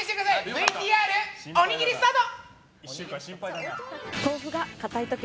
ＶＴＲ、おにぎりスタート！